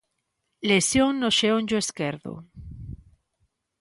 Lesión no xeonllo esquerdo.